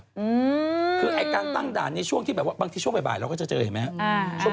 คือไอ่การตั้งด่านนี่บางทีช่วงบ่ายเราก็จะเจอเห็นไหม